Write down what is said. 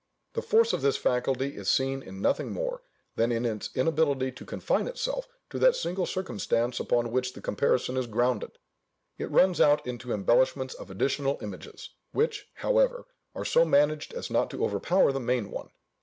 The force of this faculty is seen in nothing more, than in its inability to confine itself to that single circumstance upon which the comparison is grounded: it runs out into embellishments of additional images, which, however, are so managed as not to overpower the main one.